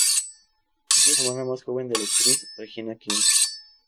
Es la hermana más joven de la actriz Regina King.